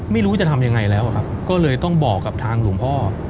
ไม่รู้จะทำยังไงแล้วอะครับก็เลยต้องบอกกับทางหลวงพ่อ